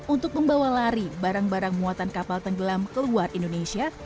untuk membawa lari barang barang muatan kapal tenggelam ke luar indonesia